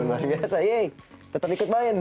luar biasa yeay tetap ikut main